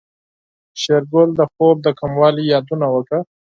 شېرګل د خوب د کموالي يادونه وکړه.